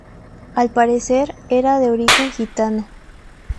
Al parecer, era de origen gitano.